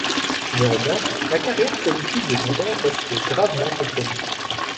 Néanmoins, la carrière politique de son père reste gravement compromise.